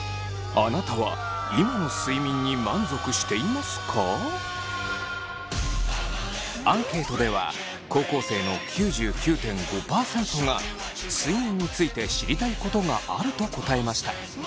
あなたはアンケートでは高校生の９９．５％が睡眠について知りたいことがあると答えました。